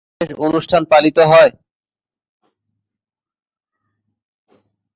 প্রতি শুক্রবার বিশেষ বিশেষ অনুষ্ঠান পালিত হয়।